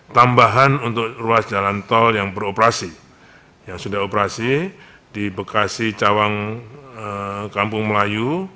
tambahan untuk ruas jalan tol yang beroperasi yang sudah operasi di bekasi cawang kampung melayu